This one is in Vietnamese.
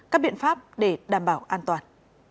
các biện pháp để đảm bảo an toàn